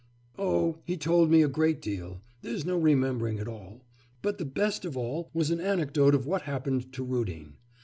'Oh, he told me a great deal; there's no remembering it all. But the best of all was an anecdote of what happened to Rudin.